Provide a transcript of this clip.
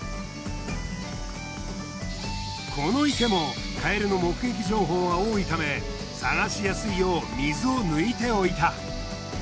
この池もカエルの目撃情報が多いため探しやすいよう水を抜いておいた。